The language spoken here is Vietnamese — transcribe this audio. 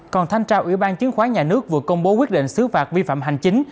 còn thanh tra ủy ban chứng khoán nhà nước vừa công bố quyết định xứ phạt vi phạm hành chính